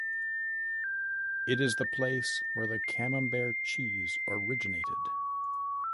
It is the place where camembert cheese originated.